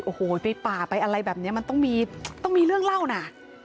โอ้โหไปป่าไปอะไรแบบนี้มันต้องมีต้องมีเรื่องเล่านะ